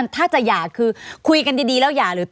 ถ้าจะหย่าคือคุยกันดีแล้วหย่าหรือ